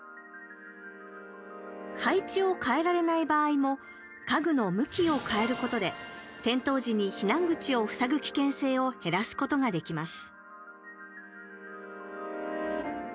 配置を変えられない場合も家具の向きを変えることで転倒時に避難口を塞ぐ危険性を減らすことができます。